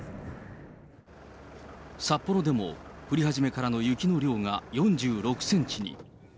札幌でも、降り始めからの雪の量が４６センチに。